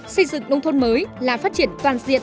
xây dựng nông thôn mới là phát triển toàn diện